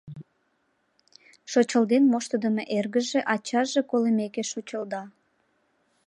Шочылден моштыдымо эргыже ачаже колымеке шочылда.